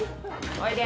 おいで。